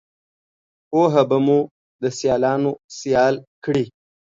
پوهه به مو دسیالانوسیال کړي